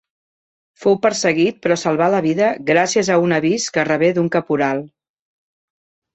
Fou perseguit però salvà la vida gràcies a un avís que rebé d'un caporal.